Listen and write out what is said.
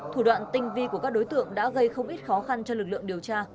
thủ đoạn tinh vi của các đối tượng đã gây không ít khó khăn cho lực lượng điều tra